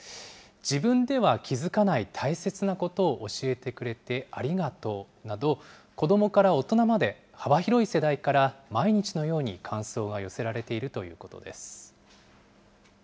自分では気付かない大切なことを教えてくれてありがとうなど、子どもから大人まで、幅広い世代から毎日のように感想が寄せられているということです。